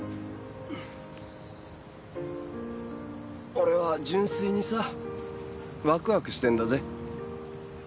俺は純粋にさわくわくしてんだぜ。